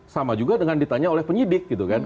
sama juga dengan ditanya oleh penyidik gitu kan